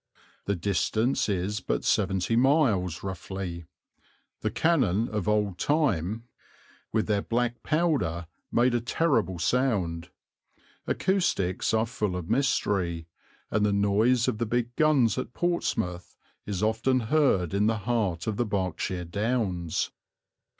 The distance is but seventy miles, roughly; the cannon of old time with their black powder made a terrible sound; acoustics are full of mystery, and the noise of the big guns at Portsmouth is often heard in the heart of the Berkshire Downs.